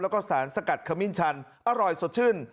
แล้วก็สารสกัดขมิ้นชันอร่อยสดชื่น